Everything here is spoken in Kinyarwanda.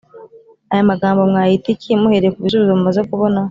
Aya magambo mwayita iki muhereye ku bisubizo mumaze kubona